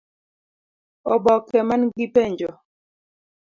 Oboke man gi penjo: